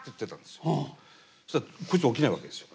そしたらこいつは起きないわけですよ。